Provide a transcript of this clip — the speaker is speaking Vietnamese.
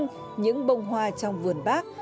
người là hồ chí minh những bông hoa trong vườn bác